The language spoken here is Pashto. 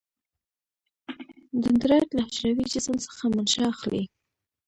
دندرایت له حجروي جسم څخه منشا اخلي.